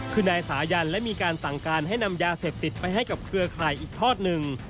คือนายสายันและมีการสั่งการให้นำยาเสพติดไปให้กับเครือข่ายอีกทอดหนึ่ง